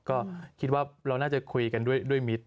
ก็คิดว่าเราน่าจะคุยกันด้วยมิตร